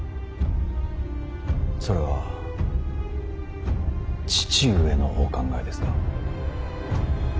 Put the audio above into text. それは父上のお考えですか。